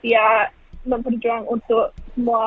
tidak memperjuang untuk semua